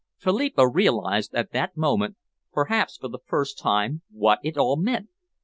Philippa realised at that moment, perhaps for the first time, what it all meant.